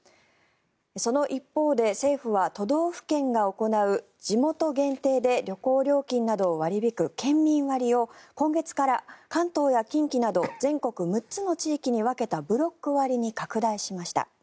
その一方で政府は都道府県が行う地元限定で旅行代金などを割り引く県民割を今月から関東や近畿など全国６つの地域に分けたブロック割に拡大しました。